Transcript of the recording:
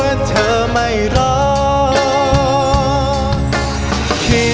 ยังเพราะความสำคัญ